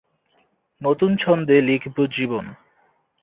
নতুন ছন্দে লিখব জীবন"